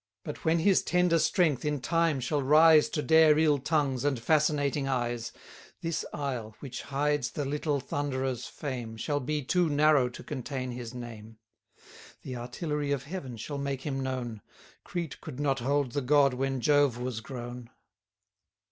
But when his tender strength in time shall rise To dare ill tongues, and fascinating eyes; This isle, which hides the little Thunderer's fame, Shall be too narrow to contain his name: The artillery of heaven shall make him known; Crete could not hold the god, when Jove was grown.